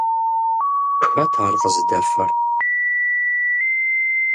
Хэт ар къызыдэфэр?